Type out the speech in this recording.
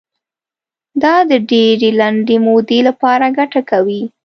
دا د ډېرې لنډې مودې لپاره ګټه کوي.